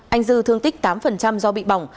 anh dư thương tích tám do bị bỏng